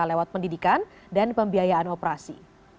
lewat pendidikan dan pembiayaan operasi